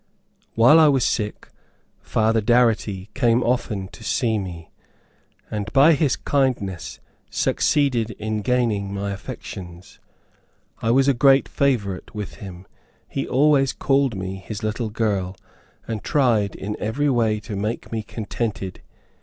While I was sick Father Darity came often to see me, and by his kindness succeeded in gaining my affections. I was a great favorite with him; he always called me his little girl, and tried in every way to make me contented.